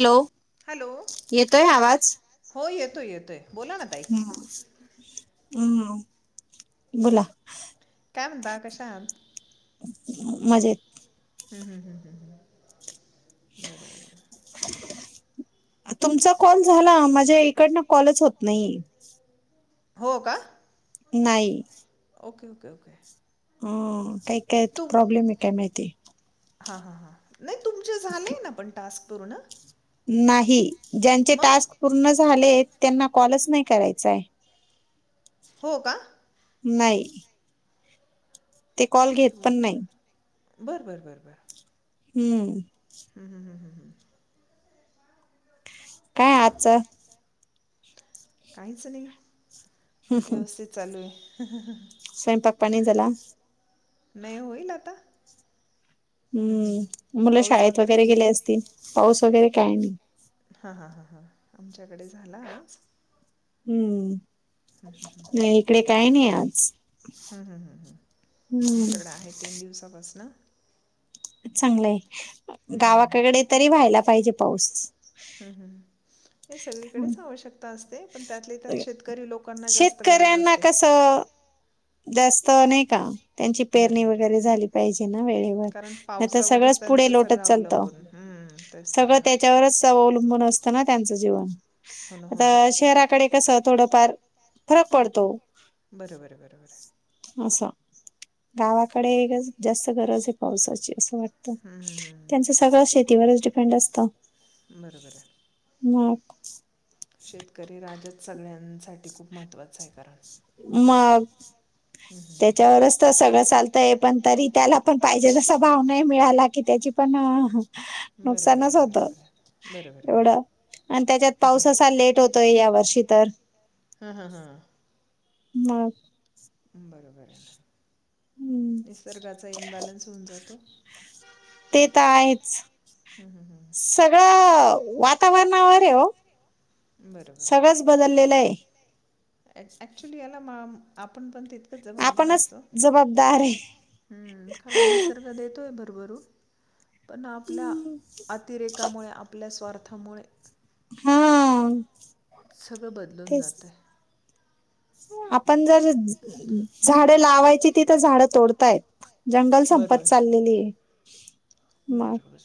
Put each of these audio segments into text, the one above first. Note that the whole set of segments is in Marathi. हॅलो हॅलो येतोय आवाज हो येतोय येतोय बोला ना ताई हम् बोला काय म्हणता कश्या आहात. मजेत. हम्म हम् हम् हम् ह बरोबर. तुमचा कॉल झाला माझे इकडन कॉलच होत नाईये. हो का नाई ओके ओके ओके ह काय काय प्रॉब्लेम आहे काय माहिती. हा हा हां नाही तुमचे झालेय ना पण टास्क पूर्ण. नाही ज्यांचे मग टास्क पूर्ण झाले त्यांना कॉलच नाही करायचाय. हो का नाई. ते कॉल घेत पण नाही बर बर बर बर हम्म हम [unintelligible] काय आजचं काहीच नाही हं, व्यवस्थित चालू आहे हहह स्वयंपाक पाणी झाला मे होईल आता हम्म मुलं शाळेत वगैरे गेले असतील पाऊस वगैरे काय नाही हा हा हा हा आमच्याकडे झाला आज हम्म हम्म, नाही इकडे काय नाही आज हम् हम् हम् हम् हम्म आमच्याकडे आहे तीन दिवसापासन चांगलंय हम्म, हम्म. गावाकडे तरी व्हायला पाहिजे पाऊस हम्म, हम्म. हे सगळीकडेचं आवश्यकता असते पण त्यातले त्यात शेतकरी लोकांना जास्त गरज शेतकऱ्यांना असते कसं जास्त नाही का त्यांची बरं पेरणी बरं वगैरे झाली पाहिजे ना वेळेवर कारण नाही तर पावसावरच सगळंच पुढे त्यांचं लोटत सगळं चालतं अवलंबून हं, तेच तर सगळं ना त्याच्यावरच अवलंबून असत [inaudible] ना त्यांचं जीवन हो ना हो ना आता शहराकडे कस थोडफार फरक पडतो बरोबर बरोबर असं गावाकडे एक जास्त गरज आहे पावसाची असं वाटत हं, हं, हं. त्यांचं सगळं शेतीवरच डिपेंड असत बरं बरं मग शेतकरी राजाच सगळ्यांसाठी खूप महत्त्वाचं आहे कारण मग हं, हं, हं. त्याच्यावरच तर सगळं चालतय पण तरी त्याला पण पाहिजे तसा भाव नाही मिळाला की त्याची पण बरोबर नुकसानच होतं बरोबर बरोबर आहे एवढं आणि त्याच्यात पाऊस असा लेट होतोय या वर्षी तर हम हम हा मग बरोबर हम्म, निसर्गाचा इम्बॅलन्स होऊन जातो ते तर आहेच हं, हं, हं. सगळं वातावरणावर आहे ओ सगळंच बदललेलंय अॅ अऍक्चुली याला मम आपण पण ति तकच जबाबदार आपणच जबाबदार आहे असत खऱ निसर्ग देतोय भर वरुन पण आपल्या अतिरेकामुळे आपल्या स्वार्थामुळे हा सगळं बदलून तेच जातय. आपण जर झाडं लावायची तिथं झाडं तोडतायत. जंगल बरोबर. संपत चाललेलीये मग बरोबर.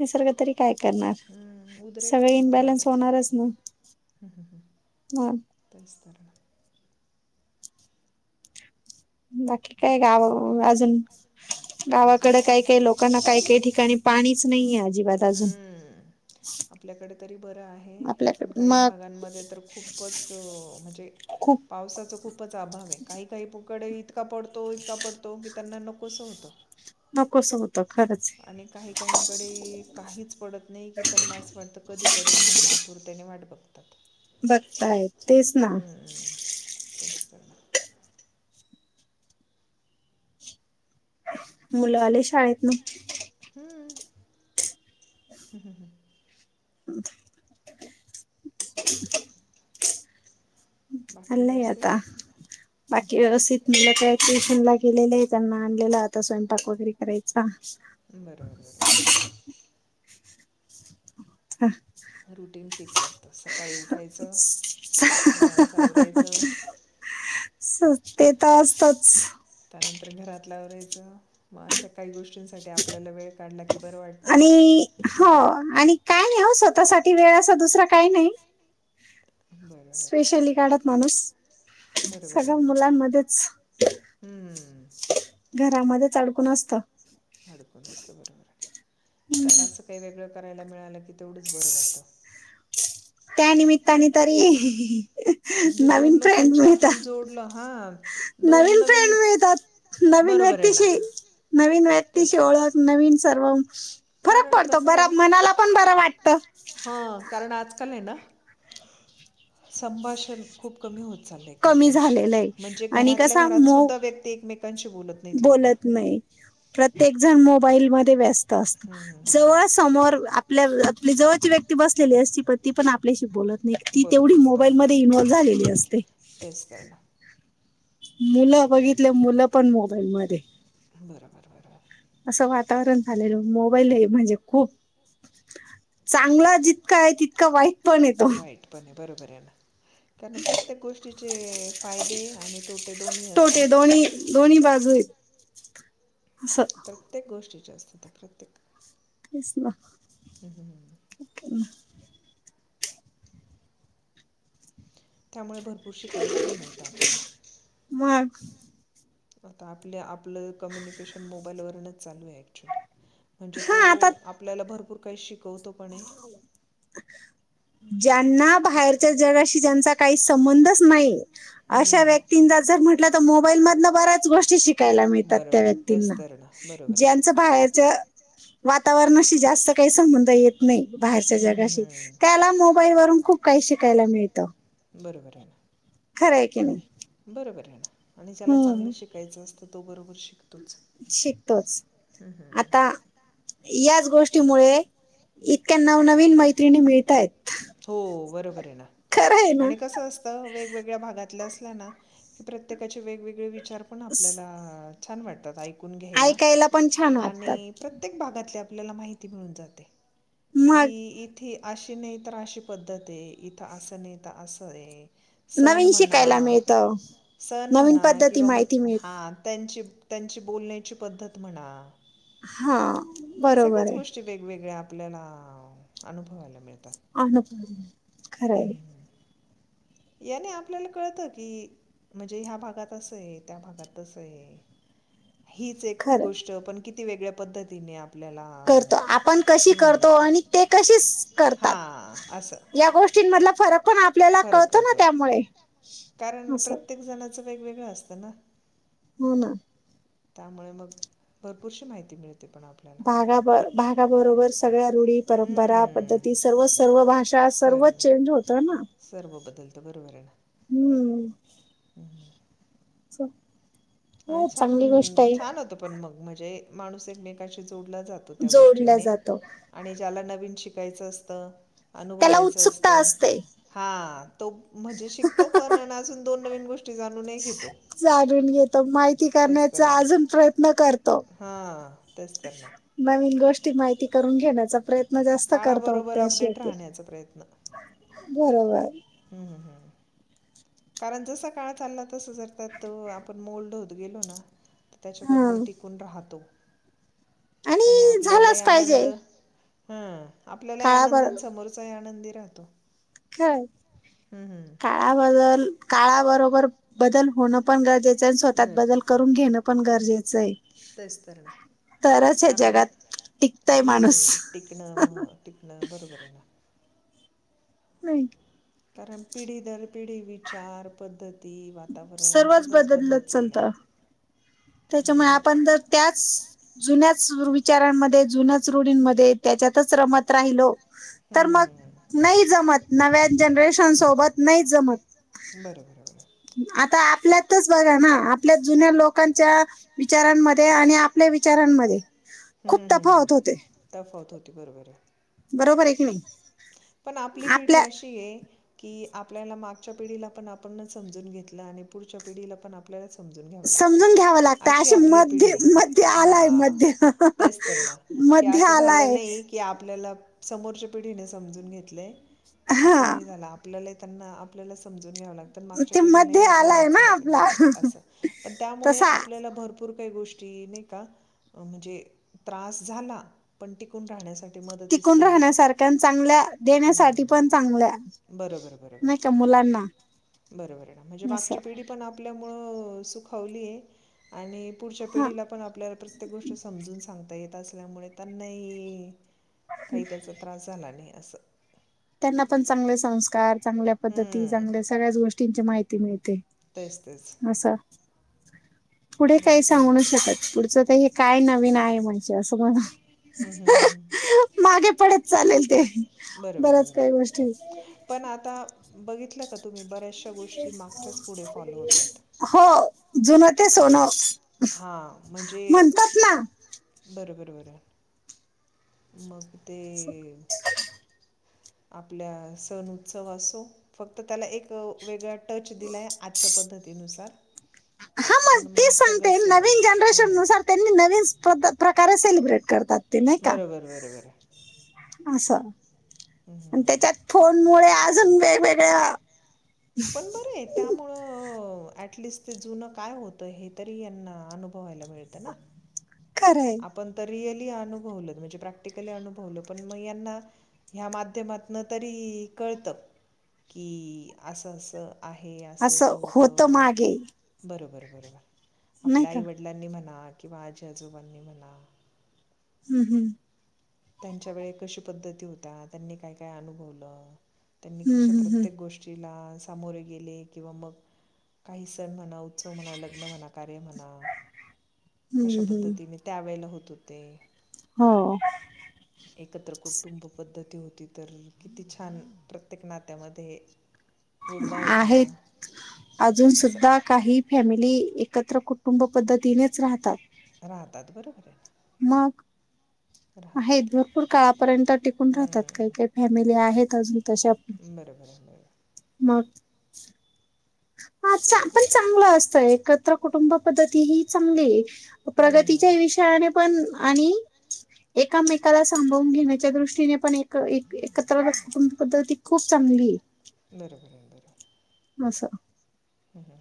निसर्ग तरी काय करणार हम्म, सगळे इन्बॅलन्स होणारच म हम्म हम्म हम्म तेच तर ना बाकी काय गाव अजून [inaudible] गावाकडे काय? काही काही लोकांना काही काही ठिकाणी पाणीच नाहीेए अजिबात अजून हम्म. आपल्याकडे तरी बरं आहे पण आपल्याकडे काही मग भागांमध्ये तर खूपच म्हणजे खूप पावसाचा खूपच अभाव आहे काही काही प कडे इतका पडतो इतका पडतो की त्यांना नकोसं होतो. कसं होत आणि काही काहीं कडे काहीच पडत नाही की त्यांना असं वाटतं कधी पडेल म्हणून आतुरतेने वाट बघतात बघताय. तेच ना हम्म. तेच तर ना. मुलं आले शाळेतनं हं हम् हम् हम् [inaudible] बाकी चालय व्यवस्थित आता बाकी व्यवस्थित मुल काये ट्यूशन ला गेलेले त्यांना आणलेला आता स्वयंपाक वगैरे करायचा. बरोबर बरोबर. [inaudible] रुटीन फिक्स असतं सकाळी उठायचं मुलांच आवरायचं स ते त असतच घरातल आवरायचं म अशा काही गोष् [unintelligible] आपल्याला वेळ काढला की बर वाटत- आणि हो आणि काय नाही हो स्वतःसाठी वेळ असा दुसरा काय नाही. बरोबर आहे स्पेशली काढत माणूस ना. बरोबर आहे सगळ्या ना मुलांमध्येच हम्म. घर यामध्येच अडकून असतं. अडकून असत बरोबर त्यात असं काही वेगळं करायला मिळालं की तेवढंच बरं वाटत. त्यानिमित्तानी तरी म्हणजे दोन नवीन फ्रेंड लोकांशी आपण मिळतात जोडलं हा नवीन फ्रेंड मिळतात. नवीन बरोबर आहे ना व्यक्तीशी नवीन व्यक्तीशी तेच तर ओळख नवीन सर्व फरक कारण पडतो कस बरा झालं मनाला पण बरं वाटतं हा कारण आजकाल ये ना संभाषण खूप कमी होत चालय कमी एकमेकांशी झालेलं आहे म्हणजे आणि घरातल्या कसा घरात मो सुद्धा व्यक्ती एकमेकांशी बोलत नाहीत लवकर बोलत नाही प्रत्येक जण मोबाईल मध्ये व्यस्त असतो हम्म, हम्म, जवळ हम्म. समोर आप आपल्या [unintelligible] आपली जवळची व्यक्ती बसलेली असची प ती पण आपल्याशी बोलत नाही ती बोलत तेवढी नाही मोबाईल बरोबर मध्ये आहे ना. इन्वॉल झालेली असते. तेच करणार मुलं बघितल मुलं पण मोबाईल मध्ये बरोबर बरोबर. असं वातावरण झालेलं मोबाईल हे म्हणजे खूप चांगला जितका आहे तितका वाईट पण ये तो. वाईट पण आहे बरोबर आहे ना कारण प्रत्येक गोष्टीचे फायदे आणि तो तोटे दोन्ही दोन्ही बाजू आहेत [unintelligible] प्रत्येक गोष्टीच्या असत तर प्रत्येक तेच ना हम्म हम हम् त्यामुळे भरपूर शिकायला पण मिळतं आपल्याला मग आता आपलं आपलं कम्युनिकेशन मोबाईल वरूनच चालू आहे ऍक्च्युली म्हणजे तो हा आता आपल्याला भरपूर काही शिक ज्यांना बाहेरच्या जगाशी ज्यांचा संबंधच नाही अश्या हम्म. व्यक्तींना जर म्हटलं तर मोबाईल मदन बऱ्याच गोष्टी शिक यला [unintelligible] मिळतात बरं त्या बरं व्यक्तींना तेच तर ना बरोबर आहे ना ज्यांच बाहेरच वातावरणाशी जास्त काही संबंध येत नाही बाहेरच्या हम्म, हम्म, जगाशी हम्म. त्याला मो ई [unintelligible] वरून खूप काही शिकायला मिळतं बरोबर आहे ना खरं आहे की नाही बरोबर आहे ना आणि ज्याला चांगलं हम्म शिकायचं असतं तो बरोबर शिक शिकतोच हम्म. आता याच गोष्टीमुळे इतक्या नवनवीन मैत्रिणी मिळतायेत हो बरोबर आहे ना आहे ना आणि कस असतं वेगवेगळ्या भागातल्या अस ल्याना प्रत्येकाचे वेगवेगळे विचार पण आपल्याला स- छान वाटतात ऐ कुण घ्यायला ऐकायला पण छान आणि वाटतात प्रत्येक भागातली आपल्याला माहिती मिळून जाते कि मग इथे अशी नाही तर अशी पद्धत आहे इथं असं नाही तर असं आहे सण नवीन म्हणा शिकायला मिळतं सण नवीन म्हणा पद्धती किंवा माहिती मग हा मिळत त्यांची त्यांची बोलण्याची पद्धत म्हणा हा बरोबर सगळ्याच आहे गोष्टी वेगवेगळ्या आपल्याला अनुभवायला मिळत आणि पण ह याने आपल्याला कळतं की म्हणजे ह्या भागांत असंय त्या भागांत तसंय हीच एक खरं गोष्ट पण किती वेगळ्या पद्धतीने आप करतो आपण कशी करतो आणि ते कशी करतात हां असं या गोष्टी मधला फरक पण आपल्याला कळतो ना त्यामुळे कारण असं प्रत्येक जणाचं वेगवेगळं असतं ना हो ना त्यामुळे मग भरपूरशी माहिती मिळते पण आपल्याला भागाब भागाबरोबर सगळ्या रूढी परंपरा हम्म पद्धती सर्व सर्व भाषा सर सर्वच चेंज होतं ना सर्व बदलतं बरोबर हे ना हम्म हम्म च आणि छान छान होतं पण मग म्हणजे माणूस एकमेकांशी सोडला जातो त्या जोडल्या गोष्टींनी जातो आणि ज्याला नवीन शिकायचं असत त्याला अनुभवायचं असत उत्सुकता असते हा तो म्हणजे शिकतो पण आणि अजून दोन नवीन गोष्टी जाणूनही घेतो जाणून घेतो माहिती करण्याचा अजून प्रयत्न करतो हा तेच तर ना नवीन गोष्टी माहिती करून घेण्याचा प्रयत्न जास्त करतो काळाबरोबर अपडेट शेती राहण्याचा बरोबर हम्म हम्म हम् कारण जसा काळ चालला तस जर तो आपण मोल्ड होत गेलो ना तर हा त्याच्याबरोबर टिकून राहतो. त्याने आणि आपल्यालाही झालाच आनंद पाहिजे हं. आपल्यालाही आनंद समोरचाही आनं दी राहतो. काय हं, हं. काळाबदल काळा बरोबर बदल होणं पण गरजेचं आहे. स्वतःत बदल करून घेणं पण गरजेचं आहे. तेचं तर ना तरच हे कारण जगात टिकतय माणूस हम्म टिकणं न टिकणं बरोबर आहे ना. नाही कारण पिढी दर पिढी विचार, पद्धती, वातावरण सर्वच सगळंच बदलत चालत चाललंय. त्यामुळे त्याच्यामुळे मग आपण जर त्याच जुन्याच विचारांमध्ये जुन्याच रुढीनमध्ये त्याच्यातच रमत राहिलो हं, तर हं, हं. मग नाही जमंत. नव्या जनरेशन सोबत नाहीचं जमत. बरोबर आता आपल्यातच बघा ना आपल्या जुन्या लोकां च्या विचारांमध्ये आणि आपल्या विचारांमध्ये खूप हम्म हम्म हम्म तफावत होते तफवत होती बरोबर आहे. बरोबर आहे की नाही. पण आपली आपल्या पिढी अशी आहे. कि आपल्याला मागच्या पिढीला पण आपण समजून घेतलं आणि पुढच्या पिढीला पण आपल्यालाच समजून घ्याव लागतय अशी मध्ये पिढी मध्ये आलाय मध्ये कि असं झालं नाही की आपल्याला, समोरच्या पिढीने समजून घेतलय अस हा नाही झाल आपल्याला त्यांना आपल्याला समजून घ्याव लागत. तर मागच्या ते मध्य पिढी आपल्याला आलाय ना समजून आपला घ्याव अस पण त्यामुळे तसा आपल्याला भरपूर भरपूर काही गोष्टी नाही का म्हणजे त्रास झाला पण टिकून राहण्यासाठी. मदतीस टिकून पण आल्या राहण्यासारख्या चांगल्या देण्यासाठी हम्म. पण चांगलं आहे बरोबर बरोबर नाही का मुलांना बरोबर म्हणजे असं मागची पिढी पण आपल्यामुळं सुखावली आहे आणि पुढच्या हा पिढीला पण आपल्याला प्रत्येक गोष्ट समजून सांगता येत असल्यामुळे त्यांनाही काही त्याचा त्रास झाला नाही असं. त्यांना पण चांगले संस्कार चांगल्या पद्धती हं. चांगल्या सगळ्याच गोष्टींची माहिती मिळते. तेच तेच असं पुढे काही भरपूर सांगू नाही शकत पुढचं तर हे काय नवीन आहे म्हणजे असं म्हणा. रिकाम पुढेच चालेल ते, बरोबर त्याच बरोबर. काही गोष्टी पण आता बघितलं का तुम्ही बऱ्याचशा गोष्टी मागच्याच पुढे फॉलो होत आहेत. हो जुन ते सोनं हा म्हणजे म्हणतात ना बरोबर बरं. मग ते आपल्या सण उत्सव असो फक्त त्याला एक वेगळ्या टच दिलाय आजच्या पद्धतीनुसार हा पण मग तेच सगळं सांगते. सण नवीन जनरेशन हं. नुसार त्यांनी नवीन पद्ध त, प्रकारे सेलिब्रेट करतात. ते नाही का बरोबर बरोबर असं हं, हं, आणि हं. त्याच्यात फोन मुळे अजून वेगवेगळ्या पण बर आहे त्यामुळं अटलिस्ट ते जुनं काय होतं हे तरी यांना अनुभवायला मिळत ना. खरंय आपण तर रियल ते अनुभवल म्हणजे प्रक्रिटिकली अनुभवलपण म यांना ह्या माध्यमातन तरी कळतं की असं असं आहे असं असं होतं बरोबर बरोबर. नाही आपल्या का आई वडिलांनी म्हणा किंवा आजी आजोबांनी म्हणा. हम्म हम्म. त्यांच्या वेळे कशी पद्धती होता त्यांनी काय काय अनुभवलं? त्यांनी हम्म, कशा हम्म, हम्म, प्रत्येक गोष्टीला सामोरे गेले किंवा मग काही सण म्हणाव सण म्हणा, उत्सव म्हणा, लग्न म्हणा, कार्य म्हणा, कशा हम्म, हम्म. पद्धतीने त्या वेळेला होत? तोते. हो. ती तर किती छान प्रत्येक नात्यामध्ये गोडवा होता. आहेत अजून असं सुद्धा काही फॅमिली एकत्र कुटुंब पद्धतीनेच राहतात. पाहतात बर. मग? आहेत भरपूर काळापर्यंत टिकून राहतात काही हं. काही फॅमिली आहेत. तश आप बरोबर आहे, बरोबर. मग हा आता आपण चांगलं असतं एकत्र कुटुंब पद्धती ही चांगली आहे. हं, हं, प्रगतीच्या हं. विषयाने पण आणि एकामेकाला सांभावून घेण्याच्या दृष्टीने पण एक एकत्र कुटुंब पद्धती खूप चांगली आहे. बरोबर बरोबर. असं.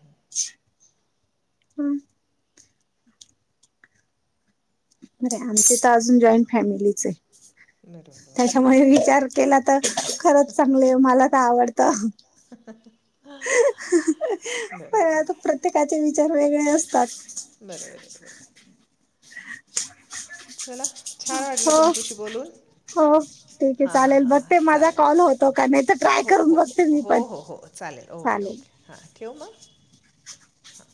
[inaudible] हम्म. बर आमचे तर अजून जॉईंट फॅमिलीच आहे. नाही. त्याच्यामुळे विचार केला तर खरंच चांगलंय मला तर आवडतं. बरोबर बरोबर पण आता बरोबर प्रत्येकाचे विचार वेगळे असतात. बरोबर बरोबर हे. चला छान वाटलं हो तुमच्याशी बोलून हो ठीकये हां हां चालेल हां बघ ते माझा चालेल कॉल होतो का नाही तर ट्राय हो करून हो बघते मी हो पण. हो हो चालेल ओके ओके हां ठेवू मग हां